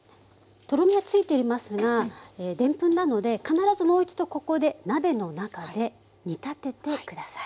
とろみはついていますがデンプンなので必ずもう一度ここで鍋の中で煮立てて下さい。